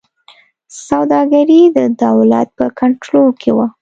سوداګري د دولت په کنټرول کې وه.